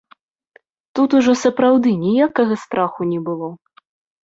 Тут ужо сапраўды ніякага страху не было.